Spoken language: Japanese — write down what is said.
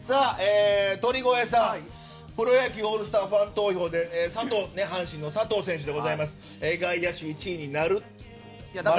鳥越さん、プロ野球オールスターファン投票で阪神の佐藤選手ですが外野手１位になる〇か×か。